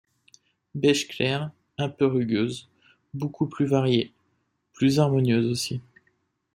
Beige clair, un peu rugueuse, beaucoup plus variée, plus harmonieuse aussi.